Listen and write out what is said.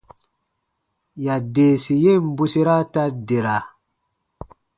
Yadeesi yen bwesera ta dera.